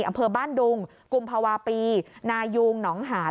อำเภอบ้านดุงกุมภาวะปีนายุงหนองหาน